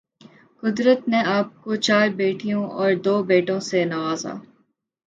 قدرت نے آپ کو چار بیٹوں اور دو بیٹیوں سے نوازا